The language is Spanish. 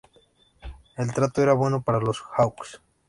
El trato era bueno para los Hawks.